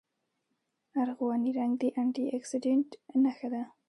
ارغواني رنګ د انټي اکسیډنټ نښه ده.